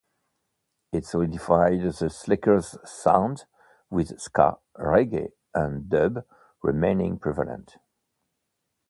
It solidified the Slackers' sound, with ska, reggae, and dub remaining prevalent.